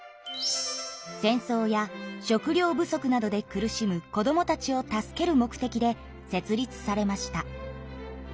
戦争や食料不足などで苦しむ子どもたちを助ける目的で設立されました。